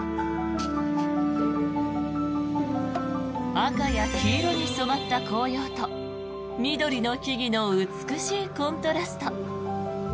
赤や黄色に染まった紅葉と緑の木々の美しいコントラスト。